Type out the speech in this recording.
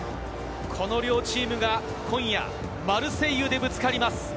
両チームが今夜マルセイユでぶつかります。